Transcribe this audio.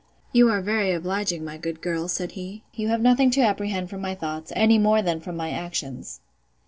You are very obliging, my good girl, said he. You have nothing to apprehend from my thoughts, any more than from my actions.